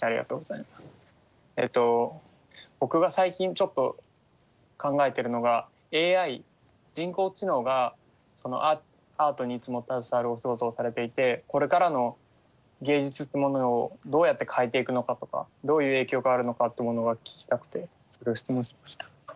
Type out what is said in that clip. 僕が最近ちょっと考えてるのがＡＩ人工知能がアートにいつも携わるお仕事をされていてこれからの芸術っていうものをどうやって変えていくのかとかどういう影響があるのかってものが聞きたくて質問しました。